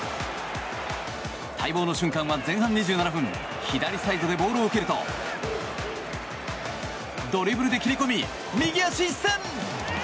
待望の瞬間は前半２７分左サイドでボールを受けるとドリブルで切り込み右足一閃。